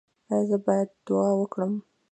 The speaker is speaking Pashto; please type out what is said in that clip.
ایا زه باید دعا وکړم؟